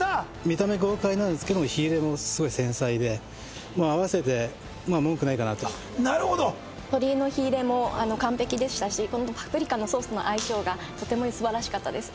見た目豪快なんですけども火入れもすごい繊細でまあ合わせて文句ないかなとなるほど鶏の火入れも完璧でしたしパプリカのソースの相性がとてもすばらしかったです